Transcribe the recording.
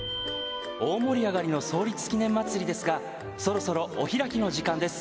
「大盛り上がりの創立記念まつりですがそろそろお開きの時間です。